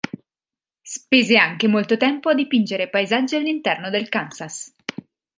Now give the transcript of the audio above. Spese anche molto tempo a dipingere paesaggi all'interno del Kansas.